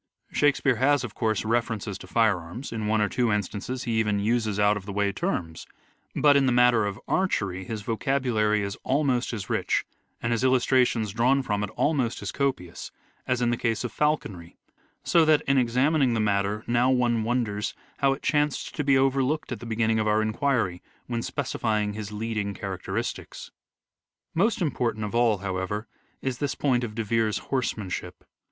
Shakespeare has, of course, references to firearms ; in one or two instances he even uses out of the way terms ; but, in the matter of archery his vocabulary is almost as rich, and his illustrations drawn from it almost as copious, as in the case of falconry ; so that, in examining the matter now one wonders how it chanced to be overlooked at the beginning of our enquiry, when specifying his leading characteristics. Most important of all, however, is this point of De Vere's horsemanship.